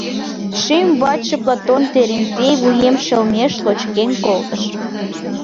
Эше ӱмбачше Платон Терентей вуем шелмеш лочкен колтыш.